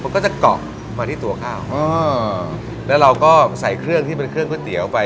มันก็จะเกาะมาที่ตัวข้าวอ๋อแล้วเราก็ใส่เครื่องที่เป็นเครื่องก๋วยเตี๋ยวไป